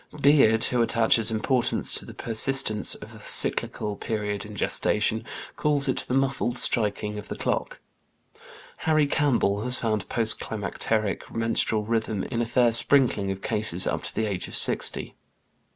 Beard, who attaches importance to the persistence of a cyclical period in gestation, calls it the muffled striking of the clock. Harry Campbell (Causation of Disease, p. 54) has found post climacteric menstrual rhythm in a fair sprinkling of cases up to the age of sixty.